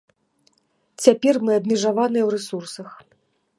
Цяпер мы абмежаваныя ў рэсурсах.